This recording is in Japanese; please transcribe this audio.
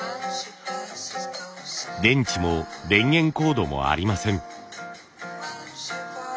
電池も電源コードもありません。